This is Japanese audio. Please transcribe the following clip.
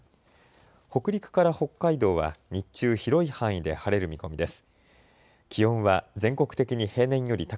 北陸から北海道は日中広い範囲で晴れる見込みです。